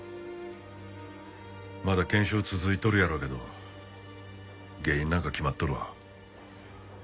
まだ検証続いとるやろうけど原因なんか決まっとるわ。